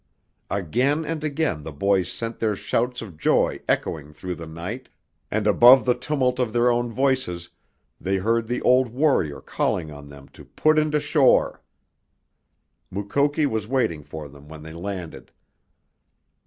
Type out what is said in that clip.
Again and again the boys sent their shouts of joy echoing through the night, and above the tumult of their own voices they heard the old warrior calling on them to put into shore. Mukoki was waiting for them when they landed.